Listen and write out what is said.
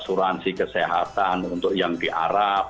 asuransi kesehatan untuk yang di arab